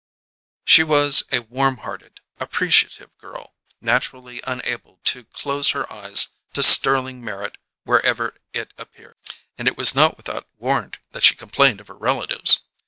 She was a warm hearted, appreciative girl, naturally unable to close her eyes to sterling merit wherever it appeared: and it was not without warrant that she complained of her relatives.